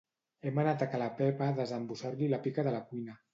Hem anat a ca la Pepa a desembussar-li la pica de la cuina